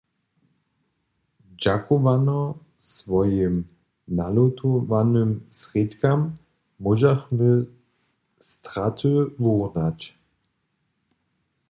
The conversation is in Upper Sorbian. Dźakowano swojim nalutowanym srědkam móžachmy straty wurunać.